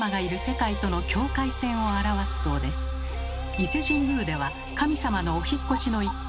伊勢神宮では神様のお引っ越しの一環